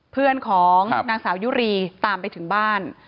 เพื่อนของนางสาวยุรีตามไปถึงบ้าน